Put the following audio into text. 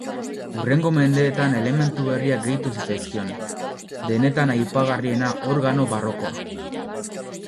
Hurrengo mendeetan elementu berriak gehitu zitzaizkion, denetan aipagarriena organo barrokoa.